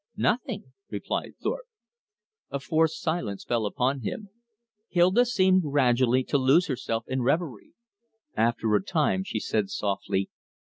Nothing," replied Thorpe. A forced silence fell upon him. Hilda seemed gradually to lose herself in reverie. After a time she said softly.